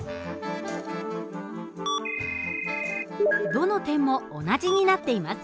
どの点も同じになっています。